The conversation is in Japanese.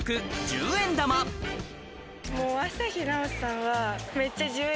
もう朝日奈央さんは。